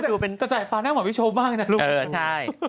แต่สายฟ้าน่าเหมือนพี่ชมบ้างนะ